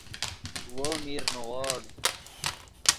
وو میر نیغوڑ